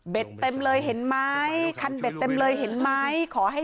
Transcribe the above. เบ็ดเต็มเลยเห็นไม้คันเบ็ดเต็มเห็นไม้